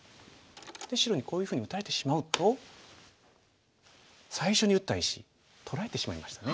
で白にこういうふうに打たれてしまうと最初に打った石取られてしまいましたね。